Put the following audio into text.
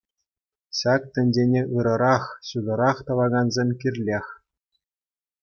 Ҫак тӗнчене ырӑрах, ҫутӑрах тӑвакансем кирлех.